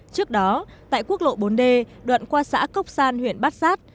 trước đó tại quốc lộ bốn d đoạn qua xã cốc san huyện bát sát